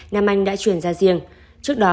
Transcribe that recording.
nam anh đã chuyển ra riêng trước đó